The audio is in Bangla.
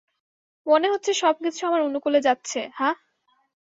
মনে হচ্ছে সবকিছু আমার অনুকূলে যাচ্ছে, হাহ?